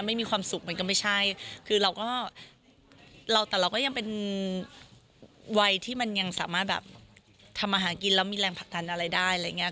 ไม่มีความสุขมันก็ไม่ใช่คือเราก็เราแต่เราก็ยังเป็นวัยที่มันยังสามารถแบบทำอาหารกินแล้วมีแรงผลักดันอะไรได้อะไรอย่างเงี้